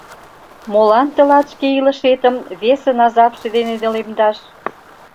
Молан тылат шке илышетым весын азапше дене нелемдаш?